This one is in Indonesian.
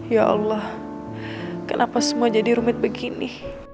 ya allah kenapa semua jadi rumit begini